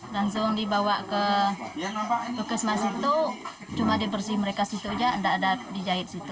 langsung dibawa ke puskas mas itu cuma dibersih mereka situ aja enggak ada dijahit situ